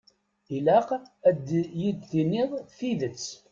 Ilaq ad yi-d-tiniḍ tidet.